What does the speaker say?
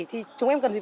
thì chúng em cần gì